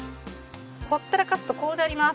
ほったらかすとこうなります。